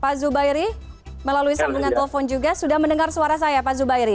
pak zubairi melalui sambungan telepon juga sudah mendengar suara saya pak zubairi